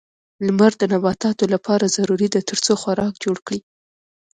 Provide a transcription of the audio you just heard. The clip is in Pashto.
لمر د نباتاتو لپاره ضروري ده ترڅو خوراک جوړ کړي.